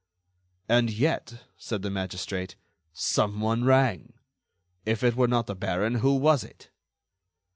"And yet," said the magistrate, "some one rang. If it were not the baron, who was it?"